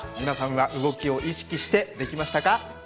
皆さんは動きを意識してできましたか？